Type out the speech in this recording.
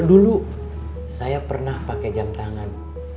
dulu saya pernah pakai jam tangan